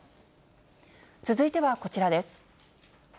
続いてはこちらです。